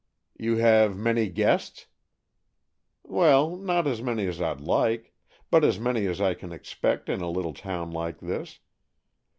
"You have many guests?" "Well, not as many as I'd like; but as many as I can expect in a little town like this.